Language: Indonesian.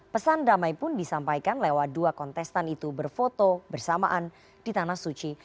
pesan damai pun disampaikan lewat dua kontestan itu berfoto bersamaan di tanah suci